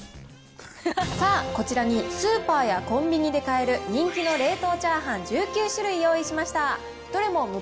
さあ、こちらにスーパーやコンビニで買える人気の冷凍チャーハン１９種類用意しました。